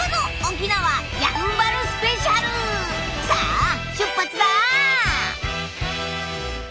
さあ出発だ！